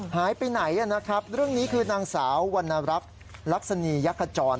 หายไปไหนนะครับเรื่องนี้คือนางสาววรรณรักษ์ลักษณียักษจร